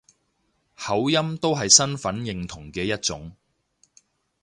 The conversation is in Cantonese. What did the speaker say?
口音都係身份認同嘅一種